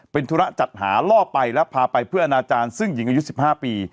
เป็นธุระจัดหาล่อไปและพาไปเพื่ออนาจารย์ซึ่งหญิงอายุ๑๕ปี